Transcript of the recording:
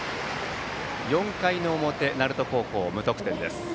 ４回の表、鳴門高校は無得点です。